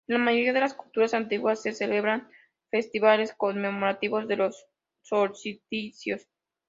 En la mayoría de las culturas antiguas se celebraban festivales conmemorativos de los solsticios.